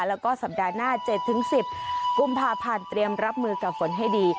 แล้วก็สัปดาห์หน้า๗๑๐กุมภาพันธ์เตรียมรับมือกับฝนให้ดี